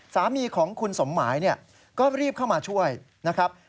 สามีของคุณสมหมายเนี่ยก็รีบเข้ามาช่วยนะครับ